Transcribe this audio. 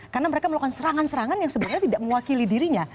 karena mereka melakukan serangan serangan yang sebenarnya tidak mewakili dirinya